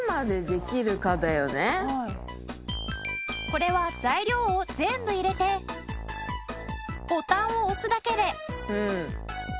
これは材料を全部入れてボタンを押すだけで。